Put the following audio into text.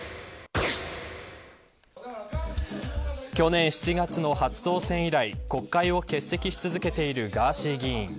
去年７月の初当選以来国会を欠席し続けているガーシー議員。